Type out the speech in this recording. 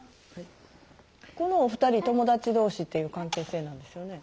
このお二人友達同士っていう関係性なんですよね？